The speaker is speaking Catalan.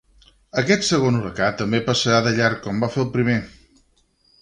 Aquest segon huracà també passarà de llarg, com va fer el primer!